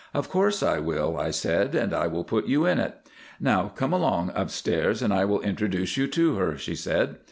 "Of course I will," I said, "and I will put you in it." "Now come along upstairs and I will introduce you to her," she said.